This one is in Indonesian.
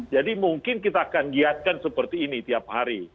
jadi mungkin kita akan giatkan seperti ini tiap hari